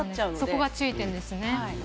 そこが注意点ですね。